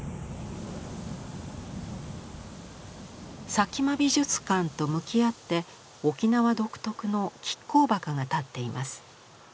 佐喜眞美術館と向き合って沖縄独特の亀甲墓が立っています。